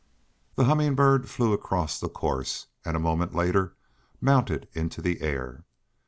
The Humming Bird flew across the course, and a moment later mounted into the air.